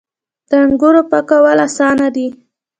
د انګورو پاکول اسانه دي.